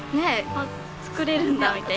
あっ作れるんだみたいな。